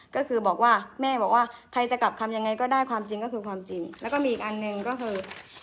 ก็คือบอกว่าแม่บอกว่าใครจะกลับคำยังไงก็ได้ความจริงก็คือความจริงแล้วก็มีอีกอันหนึ่งก็คือ